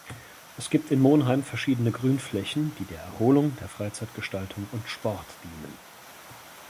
Es gibt in Monheim verschiedene Grünflächen, die der Erholung, der Freizeitgestaltung und Sport dienen.